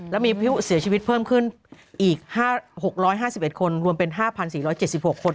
และมีผู้เสียชีวิตเพิ่มขึ้นอีก๖๕๑คนรวมเป็น๕๔๗๖คน